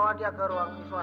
dia bisa berpulau pulau